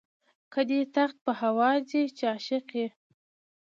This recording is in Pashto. که دي تخت په هوا ځي چې عاشق یې.